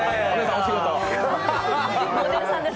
お仕事。